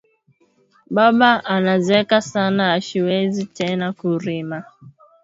Baba ana zeka sana ashiwezi tena kurima